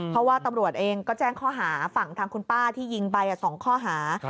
เพราะว่าตำรวจเองก็แจ้งข้อหาฝั่งทางคุณป้าที่ยิงไป๒ข้อหา